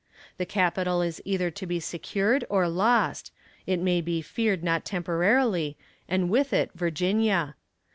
The Capital is either to be secured or lost it may be feared not temporarily, and with it Virginia.